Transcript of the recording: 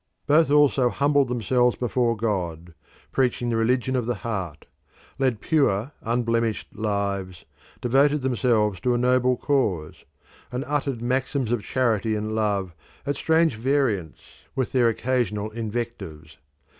Both also humbled themselves before God, preaching the religion of the heart, led pure, unblemished lives, devoted themselves to a noble cause, and uttered maxims of charity and love at strange variance with their occasional invectives.